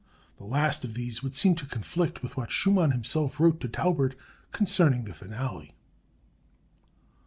The last of these would seem to conflict with what Schumann himself wrote to Taubert concerning the Finale.